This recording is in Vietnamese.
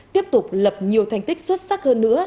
tiếp tục lập nhiều thành tích xuất sắc hơn nữa